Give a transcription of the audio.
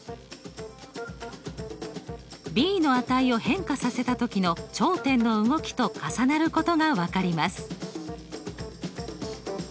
ｂの値を変化させた時の頂点の動きと重なることが分かります。